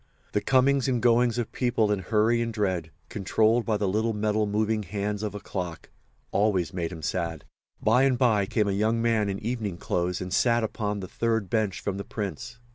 The comings and goings of people in hurry and dread, controlled by the little metal moving hands of a clock, always made him sad. By and by came a young man in evening clothes and sat upon the third bench from the Prince.